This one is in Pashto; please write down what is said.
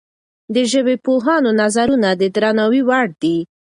د ژبپوهانو نظرونه د درناوي وړ دي.